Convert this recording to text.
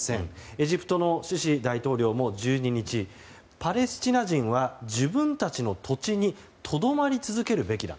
エジプトのシシ大統領も１２日パレスチナ人は自分たちの土地にとどまり続けるべきだ。